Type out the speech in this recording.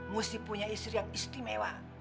mesti punya istri yang istimewa